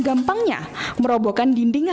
gampangnya merobohkan dinding